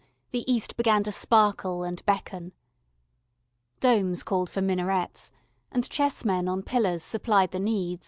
the East began to sparkle and beckon. Domes called for minarets, and chessmen on pillars supplied the need.